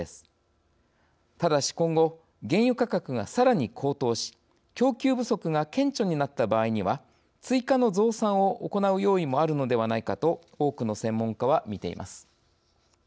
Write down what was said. ただし今後原油価格がさらに高騰し供給不足が顕著になった場合には追加の増産を行う用意もあるのではないかと多くの専門家は見ています。